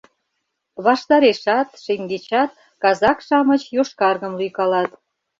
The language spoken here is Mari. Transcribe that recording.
Ваштарешат, шеҥгечат казак-шамыч йошкаргым лӱйкалат.